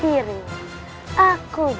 ini mah aneh